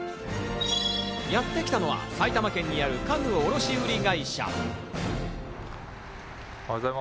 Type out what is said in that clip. やってきたのは埼玉県にある家具卸売会社。